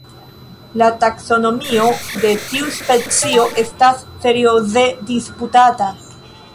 La taksonomio de tiu specio estas serioze disputata.